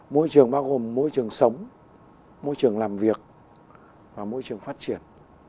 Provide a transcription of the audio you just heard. môi trường bao gồm môi trường sống môi trường làm việc và môi trường phát triển